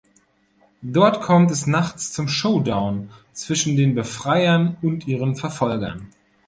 Dort kommt es nachts zum Showdown zwischen den Befreiern und ihren Verfolgern.